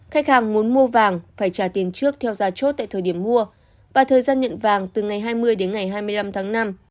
khách hàng muốn mua vàng phải trả tiền trước theo giá chốt tại thời điểm mua và thời gian nhận vàng từ ngày hai mươi đến ngày hai mươi năm tháng năm